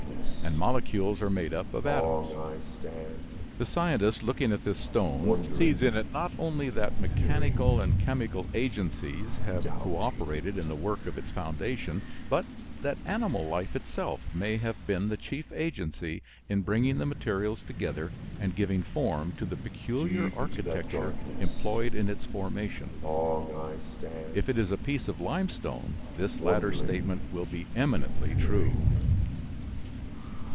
And molecules are made up of atoms.) The scientist looking at this stone sees in it not only that mechanical and chemical agencies have cooperated in the work of its formation, but that animal life itself may have been the chief agency in bringing the materials together and giving form to the peculiar architecture employed in its formation. If it is a piece of limestone this latter statement will be eminently true.